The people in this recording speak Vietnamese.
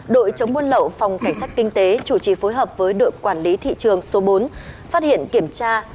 đội chống buôn lậu phòng cảnh sát kinh tế chủ trì phối hợp với đội quản lý thị trường số bốn phát hiện kiểm tra